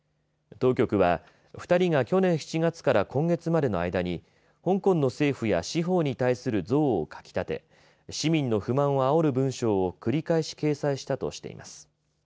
当局は２人が去年７月から今月までの間に香港の政府や司法に対する憎悪をかきたて市民の不満をあおる文章を繰り返し掲載したとしています。